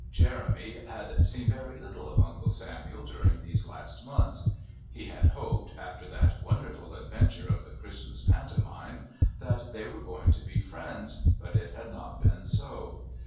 Jeremy had seen very little of Uncle Samuel during these last months. He had hoped, after that wonderful adventure of the Christmas Pantomime, that they were going to be friends, but it had not been so.